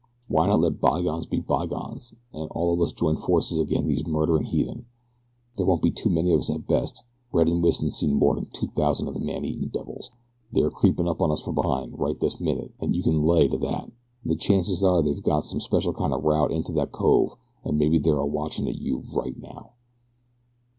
"Why not let bygones be bygones, an' all of us join forces ag'in' these murderin' heathen? There won't be any too many of us at best Red an' Wison seen more'n two thousan' of the man eatin' devils. They're a creepin' up on us from behin' right this minute, an' you can lay to that; an' the chances are that they got some special kind o' route into that there cove, an' maybe they're a watchin' of you right now!"